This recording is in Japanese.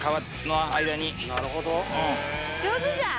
上手じゃん。